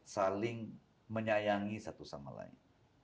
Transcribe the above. saling menyayangi satu sama lain